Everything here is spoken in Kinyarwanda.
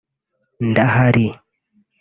Ndahari